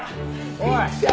おい。